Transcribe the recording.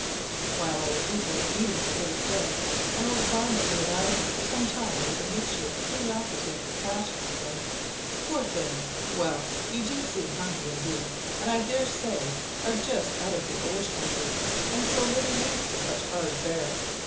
While I was eagerly eating the bit of bread, an old farmer, who had eyed me for some time with a mixture of curiosity and compassion, said, "Poor thing: well, you do seem hungry indeed, and I dare say are just out from the ould country, and so little used to such hard fare.